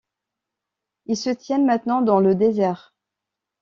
Ils se tiennent maintenant dans le désert.